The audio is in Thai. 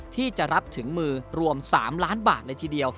ที่จะรับถึงมือรวม๓ล้านบาทเลยทีเดียว